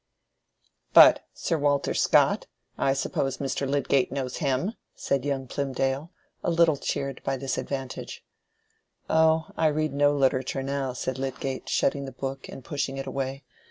"But Sir Walter Scott—I suppose Mr. Lydgate knows him," said young Plymdale, a little cheered by this advantage. "Oh, I read no literature now," said Lydgate, shutting the book, and pushing it away.